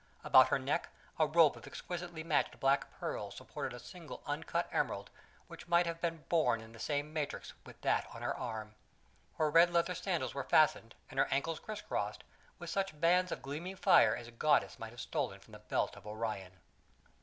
About her neck a rope of exquisitely matched black pearls supported a single uncut emerald which might have been born in the same matrix with that on her arm. Her red leather sandals were fastened, and her ankles crisscrossed, with such bands of glittering fire as a goddess might have stolen from the belt of Orion.